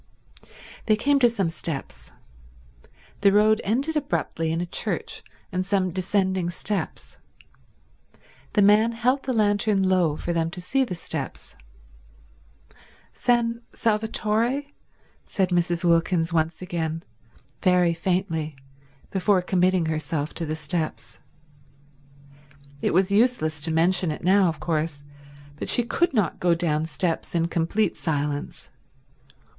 They came to some steps. The road ended abruptly in a church and some descending steps. The man held the lantern low for them to see the steps. "San Salvatore?" said Mrs. Wilkins once again, very faintly, before committing herself to the steps. It was useless to mention it now, of course, but she could not go down steps in complete silence.